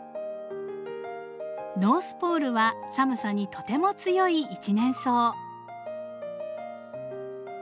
ノースポールは寒さにとても強い一年草。